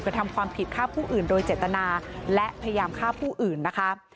ทำความผิดฆ่าผู้อื่นโดยเจตนาและพยายามฆ่าผู้อื่นนะคะ